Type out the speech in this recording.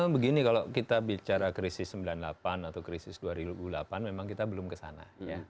begini kalau kita bicara krisis sembilan puluh delapan atau krisis dua ribu delapan memang kita belum kesana